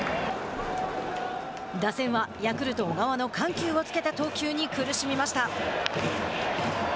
打線はヤクルト小川の緩急をつけた投球に苦しみました。